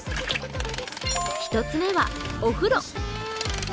１つ目はお風呂。